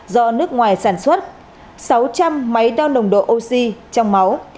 do nước ngoài sản xuất sáu trăm linh máy đo nồng độ oxy trong máu